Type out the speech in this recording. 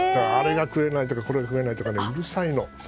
あれが食えないとかこれが食えないとか、うるさいの。